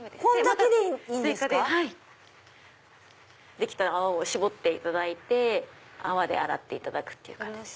できた泡を絞っていただいて泡で洗っていただく感じです。